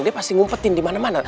dia pasti ngumpetin dimana mana